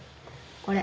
これ。